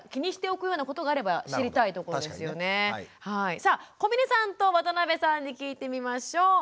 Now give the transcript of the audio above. さあ小峰さんと渡邊さんに聞いてみましょう。